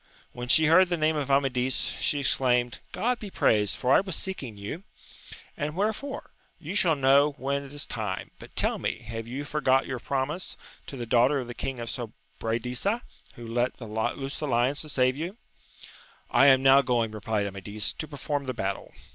When she heard the name of Amadis, she exclaimed, God be praised, for I was seeking you !— ^And wherefore ?— ^You shall know when it is time ; but tell me, have you forgot your promise to the daughter of the ELing of Sobra disa, who let loose the lions to save you 1 I am now going, replied Amadis, to perform the battle.